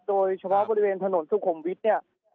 โดยเฉพาะบริเวณถนนสุขุมวิทย์เนี่ย